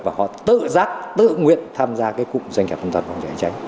và họ tự giác tự nguyện tham gia cái cục doanh nghiệp công tác phòng cháy chữa cháy